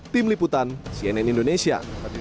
tim liputan cnn indonesia